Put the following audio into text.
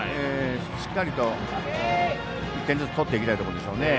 しっかりと、１点ずつ取っていきたいところですね。